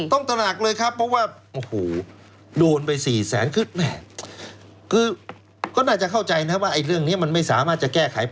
ต้องตระหนักเลยครับ